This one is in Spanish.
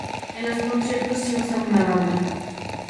En los conciertos sí usa una banda.